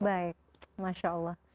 baik masya allah